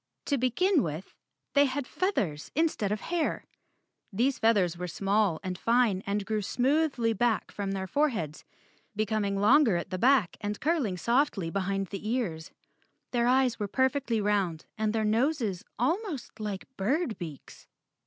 To begin with, they had feathers instead of hair. These feathers were small and fine and grew smoothly back from their foreheads, becoming longer at the back and curling softly behind the ears. Their eyes were perfectly round and their noses almost like bird beaks.